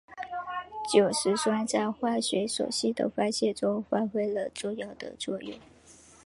酒石酸在化学手性的发现中发挥了重要的作用。